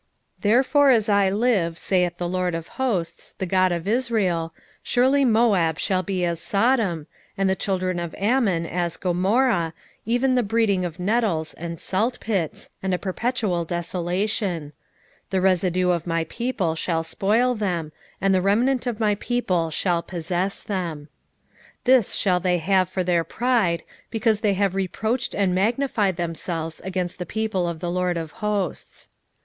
2:9 Therefore as I live, saith the LORD of hosts, the God of Israel, Surely Moab shall be as Sodom, and the children of Ammon as Gomorrah, even the breeding of nettles, and saltpits, and a perpetual desolation: the residue of my people shall spoil them, and the remnant of my people shall possess them. 2:10 This shall they have for their pride, because they have reproached and magnified themselves against the people of the LORD of hosts.